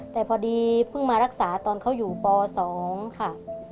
แต่พอดีเพิ่งมารักษาตอนเขาอยู่ป๒ค่ะ